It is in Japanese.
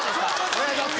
お願いします！